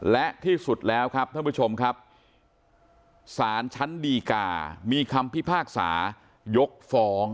และที่สุดแล้วครับท่านผู้ชมครับสารชั้นดีกามีคำพิพากษายกฟ้อง